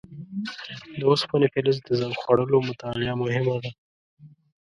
د اوسپنې فلز د زنګ خوړلو مطالعه مهمه ده.